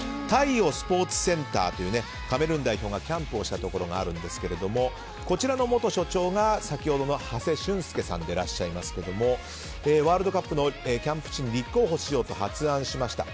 鯛生スポーツセンターというカメルーン代表がキャンプをしたところがあるんですけどこちらの元所長が先ほどの長谷俊介さんでいらっしゃいますけどワールドカップのキャンプ地に立候補しようと発案しました。